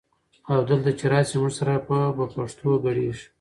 او دلته چې راشي موږ سره به په پښتو ګړېیږي؛